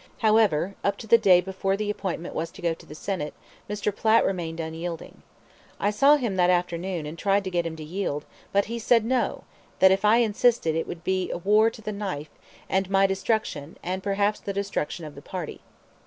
However, up to the day before the appointment was to go to the Senate, Mr. Platt remained unyielding. I saw him that afternoon and tried to get him to yield, but he said No, that if I insisted, it would be war to the knife, and my destruction, and perhaps the destruction of the party.